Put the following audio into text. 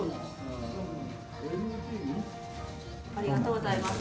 ありがとうございます。